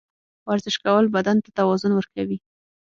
ورزش کول بدن ته توازن ورکوي.